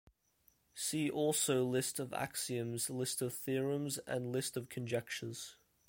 See also list of axioms, list of theorems and list of conjectures.